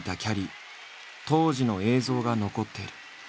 当時の映像が残っている。